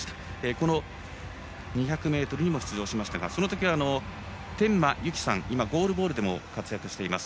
この２００ｍにも出場しましたがそのときは、天摩由貴さん今、ゴールボールでも活躍しています